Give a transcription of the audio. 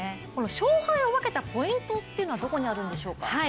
勝敗を分けたポイント、どこにあるんでしょうか。